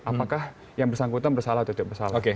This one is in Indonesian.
apakah yang bersangkutan bersalah atau tidak bersalah